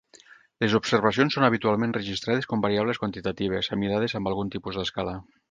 Les observacions són habitualment registrades com variables quantitatives, amidades amb algun tipus d'escala.